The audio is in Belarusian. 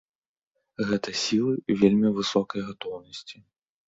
Гэта сілы вельмі высокай гатоўнасці.